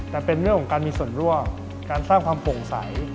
แต่เป็นเรื่องของการมีส่วนร่วมการสร้างความโปร่งใส